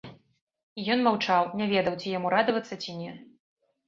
І ён маўчаў, не ведаў, ці яму радавацца, ці не.